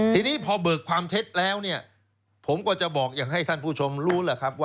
ทีนี้พอเบิกความเท็จแล้วเนี่ยผมก็จะบอกอย่างให้ท่านผู้ชมรู้แหละครับว่า